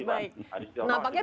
jadi harus diolahin